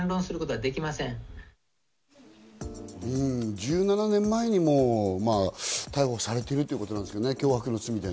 １７年前にも逮捕されているということなんですけどね、脅迫の罪で。